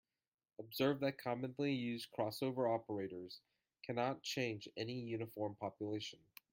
Observe that commonly used crossover operators cannot change any uniform population.